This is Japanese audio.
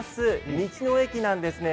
道の駅なんです。